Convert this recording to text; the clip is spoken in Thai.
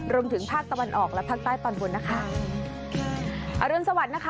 รวมถึงภาคตะวันออกและภาคใต้ตอนบนนะคะอรุณสวัสดิ์นะคะ